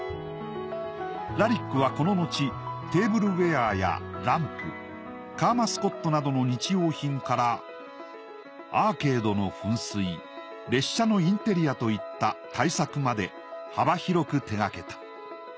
ラリックはこの後テーブルウェアやランプカーマスコットなどの日用品からアーケードの噴水列車のインテリアといった大作まで幅広く手掛けた。